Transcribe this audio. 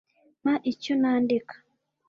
mpa icyo nandika